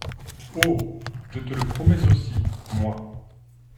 Oh ! je te le promets aussi, moi.